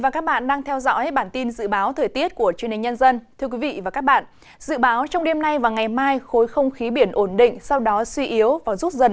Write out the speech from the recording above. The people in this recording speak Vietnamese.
các bạn hãy đăng kí cho kênh lalaschool để không bỏ lỡ những video hấp dẫn